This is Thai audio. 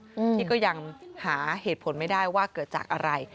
อืมที่ก็ยังหาเหตุผลไม่ได้ว่าเกิดจากอะไร